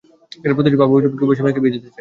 প্রতিটা বাবাই উপযুক্ত বয়সে মেয়েকে বিয়ে দিতে চায়।